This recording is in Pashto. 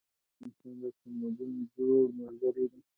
لرګی د انسان د تمدن زوړ ملګری دی.